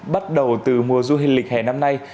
bắt đầu từ mùa du lịch hè năm nay